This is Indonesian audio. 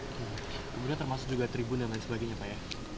kemudian termasuk juga tribun dan lain sebagainya pak ya